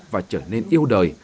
và trở nên yêu đời